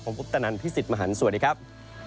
ผมพุทธนันทร์พี่สิทธิ์มหันศ์สวัสดีครับ